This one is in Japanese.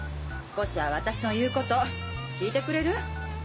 少しは私の言うこと聞いてくれる？